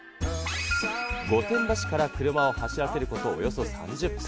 御殿場市から車を走らせることおよそ３０分。